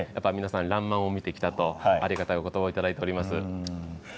「らんまん」を見て来たとありがたいお言葉をいただいております。